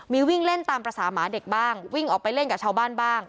มีวิ่งเล่นตามภาษาหมาเด็กบ้างวิ่งออกไปเล่นกับชาวบ้านบ้าง